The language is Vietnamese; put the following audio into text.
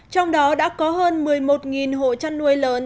trong đó đã có hơn một mươi một hộ trăn nuôi lợn